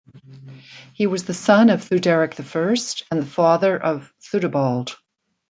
He was the son of Theuderic I and the father of Theudebald.